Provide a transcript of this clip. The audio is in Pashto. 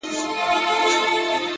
o خداى پاماني كومه،